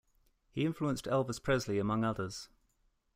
He influenced Elvis Presley, among others.